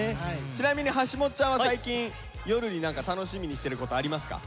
ちなみにはしもっちゃんは最近夜に何か楽しみにしてることありますか？